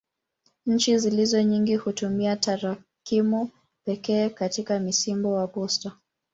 Nchi zilizo nyingi hutumia tarakimu pekee katika msimbo wa posta.